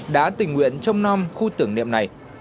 đã tình nguyện trông non khu tưởng niệm này